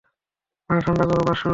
মাথা ঠান্ডা কর, বাসু।